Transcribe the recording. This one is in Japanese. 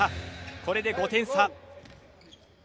これで５点差。